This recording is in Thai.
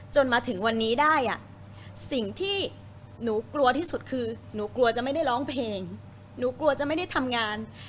จนถึงวันนี้ได้สิ่งที่หนูกลัวที่สุดคือหนูกลัวจะไม่ได้ร้องเพลงหนูกลัวจะไม่ได้ทำงาน